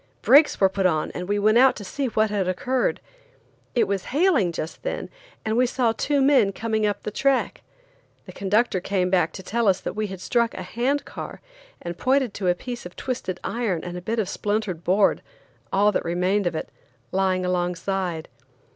Brakes were put on, and we went out to see what had occurred. It was hailing just then, and we saw two men coming up the track. The conductor came back to tell us that we had struck a hand car, and pointed to a piece of twisted iron and a bit of splintered board–all that remained of it–laying alongside.